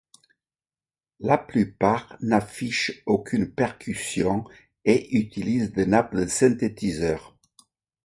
La plupart n'affichent aucune percussion et utilisent des nappes de synthétiseurs.